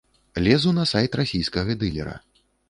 Лезу на сайт расійскага дылера.